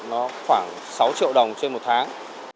nó khoảng sáu triệu đồng trên một tháng